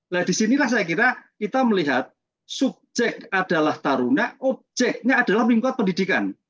lah di sinilah saya kira kita melihat subjek adalah taruna objeknya adalah lingkuat pendidikan